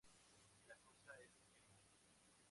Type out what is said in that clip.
La cosa es querida".